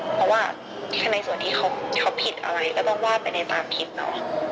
เพราะว่าในส่วนที่เขาผิดอะไรก็ต้องว่าไปในตามคลิปเนาะ